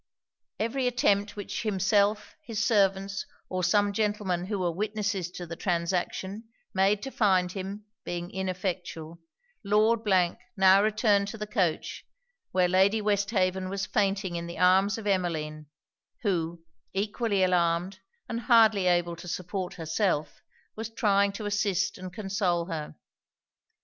Every attempt which himself, his servants, or some gentlemen who were witnesses to the transaction, made to find him, being ineffectual, Lord now returned to the coach, where Lady Westhaven was fainting in the arms of Emmeline; who, equally alarmed, and hardly able to support herself, was trying to assist and console her.